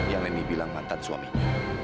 yang neni bilang mantan suaminya